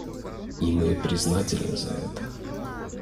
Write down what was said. И мы признательны за это.